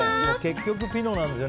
結局ピノなんですよ。